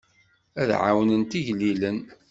Ad ɛawnent igellilen.